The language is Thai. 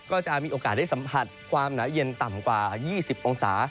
ก็จะมีโอกาสได้สัมผัสความหนาวเย็นต่ำกว่า๒๐องศา